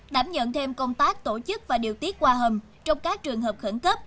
đảm nhận thêm công tác tổ chức và điều tiết qua hầm trong các trường hợp khẩn cấp